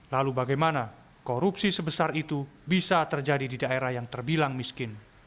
lalu bagaimana korupsi sebesar itu bisa terjadi di daerah yang terbilang miskin